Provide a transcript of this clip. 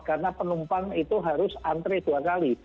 karena penumpang itu harus antre dua kali